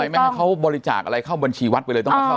แล้วทำไมไม่ให้เขาบริจาคอะไรเข้าบัญชีวัดไปเลย